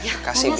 ya makasih bi